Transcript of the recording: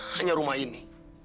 hanya rumah ini